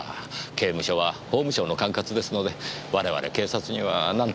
刑務所は法務省の管轄ですので我々警察にはなんとも。